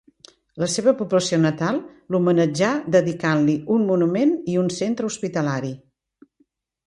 La seva població natal l'homenatjà dedicant-li un monument i un centre hospitalari.